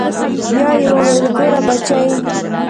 بيا يې وويل ګوره بچى.